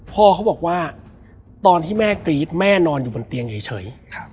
พ่อเขาบอกว่าตอนที่แม่กรี๊ดแม่นอนอยู่บนเตียงเฉย